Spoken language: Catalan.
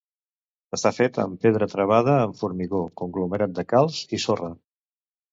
Està fet amb pedra travada amb formigó, conglomerat de calç i sorra.